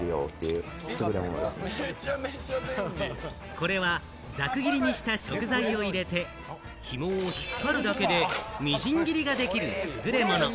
これはざく切りにした食材を入れて、ひもを引っ張るだけでみじん切りができる優れもの。